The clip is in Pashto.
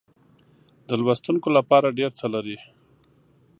د لوستونکو لپاره ډېر څه لري.